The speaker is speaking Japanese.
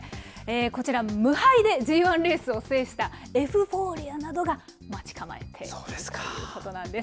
こちら無敗でＧ１レースを制したエフフォーリアなどが待ち構えているということなんです。